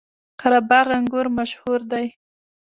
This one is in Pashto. قره باغ انګور مشهور دي؟